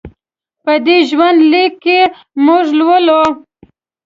په دې ژوند لیک کې موږ لولو.